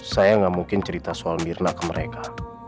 saya nggak mungkin cerita soal mirna ke mereka